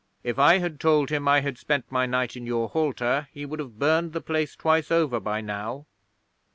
"If I had told him I had spent my night in your halter he would have burned the place twice over by now."